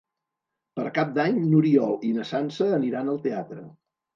Per Cap d'Any n'Oriol i na Sança aniran al teatre.